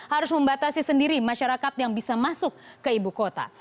harus membatasi sendiri masyarakat yang bisa masuk ke ibu kota